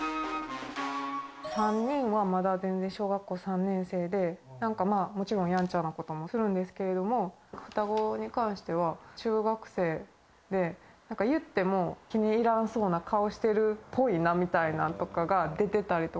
３人はまだ全然小学校３年生で、なんかまあ、もちろんやんちゃなこともするんですけど、双子に関しては、中学生で、なんか言っても、気に入らなさそうな顔してるっぽいなみたいなのが出てたりとか。